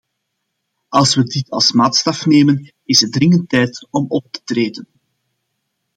Als we dit als maatstaf nemen, is het dringend tijd om op te treden.